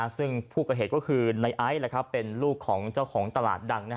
ซึ่งผู้ก่อเหตุก็คือในไอซ์เป็นลูกของเจ้าของตลาดดัง